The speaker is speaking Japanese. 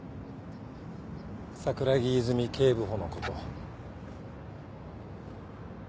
桜木泉警部補のこと。